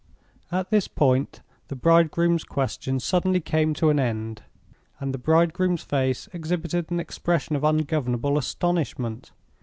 At this point the bridegroom's questions suddenly came to an end, and the bridegroom's face exhibited an expression of ungovernable astonishment.